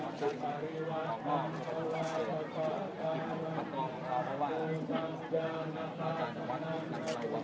มีผู้ที่ได้รับบาดเจ็บและถูกนำตัวส่งโรงพยาบาลเป็นผู้หญิงวัยกลางคน